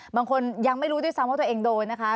บางคนยังไม่รู้ด้วยซ้ำว่าตัวเองโดนนะคะ